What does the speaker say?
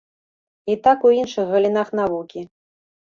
І так у іншых галінах навукі.